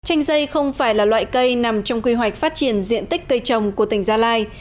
chanh dây không phải là loại cây nằm trong quy hoạch phát triển diện tích cây trồng của tỉnh gia lai